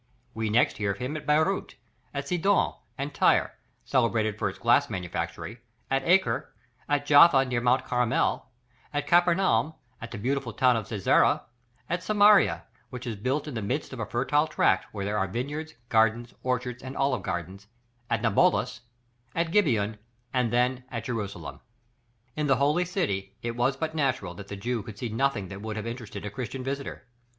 We next hear of him at Beyrout, at Sidon, and Tyre, celebrated for its glass manufactory, at Acre, at Jaffa near Mount Carmel, at Capernaum, at the beautiful town of Cæsarea, at Samaria, which is built in the midst of a fertile tract, where are vineyards, gardens, orchards, and olive yards, at Nablous, at Gibeon, and then at Jerusalem. In the holy city, it was but natural that the Jew could see nothing that would have interested a Christian visitor.